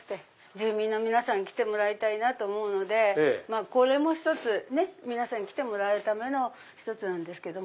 住民の皆さん来てもらいたいなと思うのでこれも皆さんに来てもらうための１つなんですけど。